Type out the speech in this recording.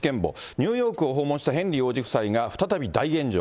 ニューヨークを訪問したヘンリー王子夫妻が再び大炎上。